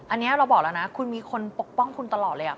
อันนี้เราบอกแล้วนะคุณมีคนปกป้องคุณตลอดเลย